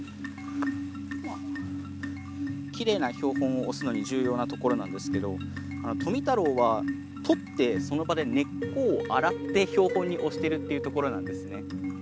きれいな標本を押すのに重要なところなんですけど富太郎は採ってその場で根っこを洗って標本に押してるっていうところなんですね。